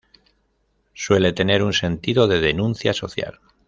Suele tener un sentido de denuncia social.